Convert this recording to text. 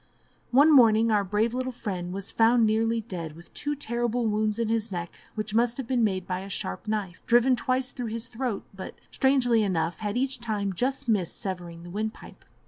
One morning our brave little friend was found nearly dead, with two terrible wounds in his neck, which must have been made by a sharp knife, driven twice through his throat, but, strangely enough, had each time just missed severing the wind pipe.